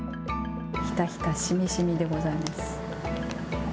ひたひた、しみしみでございます。